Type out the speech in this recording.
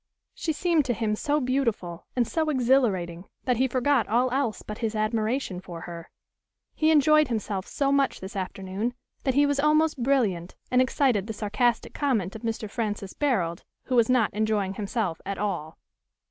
She seemed to him so beautiful, and so exhilarating, that he forgot all else but his admiration for her. He enjoyed himself so much this afternoon, that he was almost brilliant, and excited the sarcastic comment of Mr. Francis Barold, who was not enjoying himself at all.